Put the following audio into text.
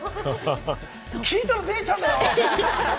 聞いたのデイちゃんだよ！